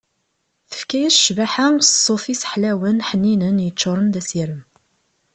Tefka-as cbaḥa s ssut-is ḥlawen ḥninen i yeččuren d asirem.